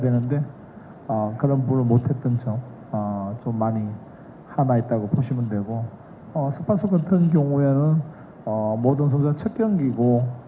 dan mereka juga telah mendapatkan keuntungan di liga